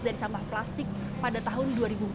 dari sampah plastik pada tahun dua ribu empat belas